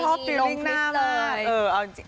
ชอบรู้สึกหน้ามาก